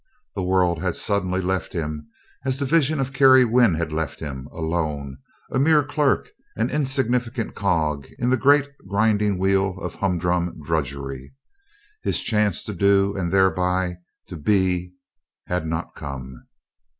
The world had suddenly left him, as the vision of Carrie Wynn had left him, alone, a mere clerk, an insignificant cog in the great grinding wheel of humdrum drudgery. His chance to do and thereby to be had not come.